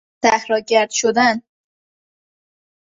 صحراگرد شدن